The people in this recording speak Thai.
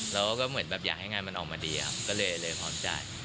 แล้วก็เหมือนแบบอยากให้งานมันออกมาดีครับก็เลยพร้อมจ่าย